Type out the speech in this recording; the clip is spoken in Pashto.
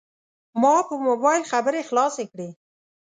ما په موبایل خبرې خلاصې کړې.